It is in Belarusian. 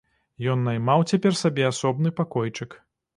Ён наймаў цяпер сабе асобны пакойчык.